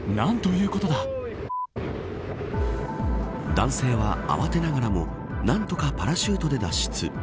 男性は慌てながらも何とか、パラシュートで脱出。